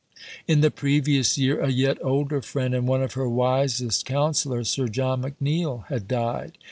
In the previous year a yet older friend, and one of her wisest counsellors Sir John McNeill had died.